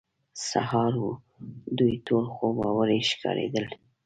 سهار وو، دوی ټول خوبوړي ښکارېدل.